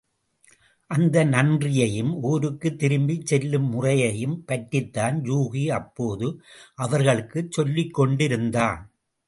அந்த நன்றியையும் ஊருக்குத் திரும்பிச் செல்லும் முறையையும் பற்றித்தான் யூகி அப்போது அவர்களுக்குச் சொல்லிக் கொண்டிருந்தான்.